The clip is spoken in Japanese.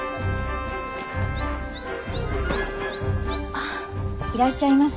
あいらっしゃいませ。